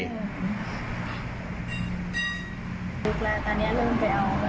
ลุกแล้วตอนนี้เริ่มไปเอาแล้ว